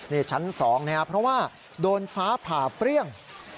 นี่ชั้น๒นะครับเพราะว่าโดนฟ้าผ่าเปรี้ยง